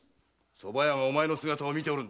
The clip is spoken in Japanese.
蕎麦屋がお前の姿を見ておる。